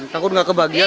takut gak kebagian